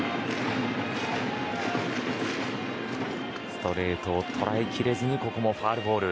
ストレートを捉えきれずにここもファウルボール。